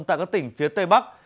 tại các tỉnh phía tây bắc